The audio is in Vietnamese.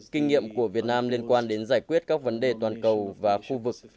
kinh nghiệm của việt nam liên quan đến giải quyết các vấn đề toàn cầu và khu vực